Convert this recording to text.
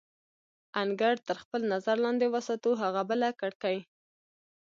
انګړ تر خپل نظر لاندې وساتو، هغه بله کړکۍ.